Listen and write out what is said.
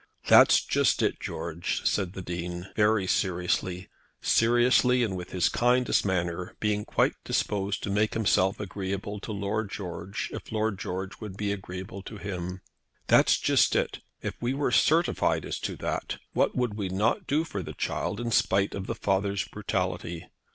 "That's just it, George," said the Dean, very seriously, seriously, and with his kindest manner, being quite disposed to make himself agreeable to Lord George, if Lord George would be agreeable to him. "That's just it. If we were certified as to that, what would we not do for the child in spite of the father's brutality?